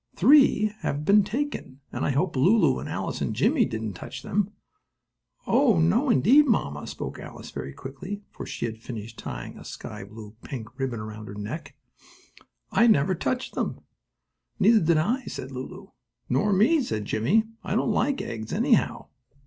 Three have been taken, and I hope Lulu and Alice and Jimmie didn't touch them." "Oh, no indeed, mamma," spoke Alice very quickly, as she finished tying a sky blue pink ribbon around her neck. "I never touched them." "Neither did I," added Lulu. "Nor me," said Jimmie. "I don't like eggs anyhow."